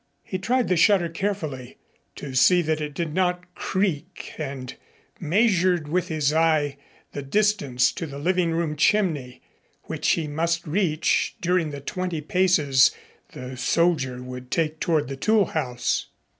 He tried the shutter carefully to see that it did not creak and measured with his eye the distance to the living room chimney, which he must reach, during the twenty paces the soldier would take toward the toolhouse.